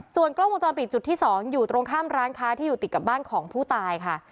ส่วนกล้องวงจรปิดจุดที่๒อยู่ตรงข้ามร้านค้าที่อยู่ติดกับบ้านของผู้ตายค่ะ